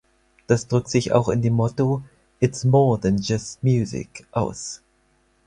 Das drückt sich auch in dem Motto „It’s more than just music“ aus.